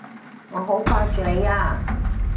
我好掛住你啊！